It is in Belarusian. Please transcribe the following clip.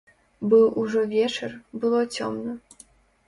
Быў ужо вечар, было цёмна.